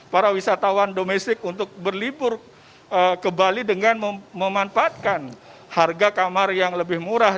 para wisatawan domestik untuk berlibur ke bali dengan memanfaatkan harga kamar yang lebih murah